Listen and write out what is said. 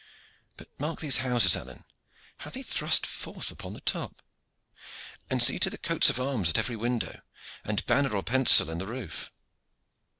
But mark these houses, Alleyne, how they thrust forth upon the top. And see to the coats of arms at every window, and banner or pensil on the roof."